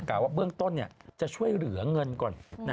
ว่าเบื้องต้นจะช่วยเหลือเงินก่อน